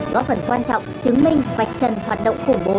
góp phần quan trọng chứng minh vạch trần hoạt động khủng bố